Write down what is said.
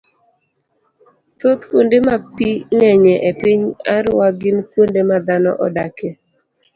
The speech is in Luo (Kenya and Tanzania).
thoth kuonde ma pi ng'enyie e piny Arua gin kuonde ma dhano odakie.